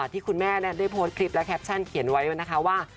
ที่คุณแม่ได้โพสต์คลิปและแคปชั่นเขียนไว้นะคะว่า